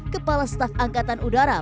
kepala staf angkatan udara